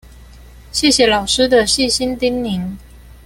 謝謝老師的細心叮嚀